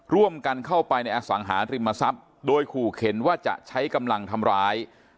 ร่วมกันเข้าไปในอสังหาริมทรัพย์โดยขู่เข็นว่าจะใช้กำลังทำร้าย